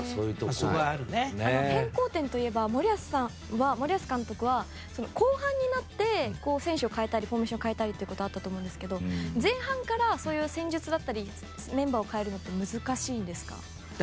変更点といえば森保監督は後半になって、選手を代えたりフォーメーションを変えたりがあったと思うんですけど前半からそういう戦術だったりメンバーを代えるのって難しいんですか？